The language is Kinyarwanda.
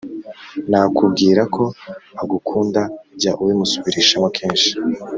nakubwira ko agukunda, jya ubimusubirishamo kenshi,